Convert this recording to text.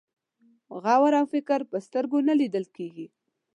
غور او فکر په سترګو نه لیدل کېږي.